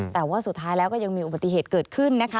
แต่ว่าสุดท้ายแล้วก็ยังมีอุบัติเหตุเกิดขึ้นนะคะ